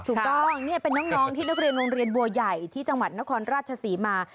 ถูกต้องนี่เป็นน้องที่นักเรียนโรงเรียนบัวใหญ่ที่จังหวัดนครราชศรีมา